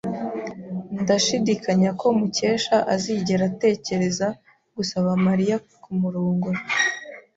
Ndashidikanya ko Mukesha azigera atekereza gusaba Mariya kumurongora.